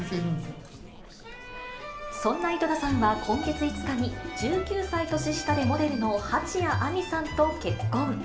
そんな井戸田さんは今月５日に、１９歳年下のモデルの蜂谷晏海さんと結婚。